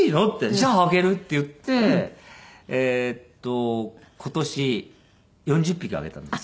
「じゃああげる」って言って今年４０匹あげたんです。